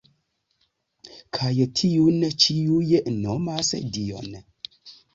Kaj tiun ĉiuj nomas Dion”.